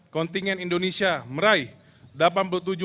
kontingen indonesia meraih delapan puluh tujuh medali emas